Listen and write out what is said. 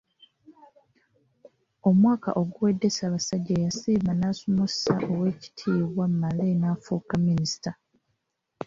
Omwaka oguwedde Ssaabasajja y'asiima n'asuumuusa Oweekitiibwa Male n'amufuula Minisita.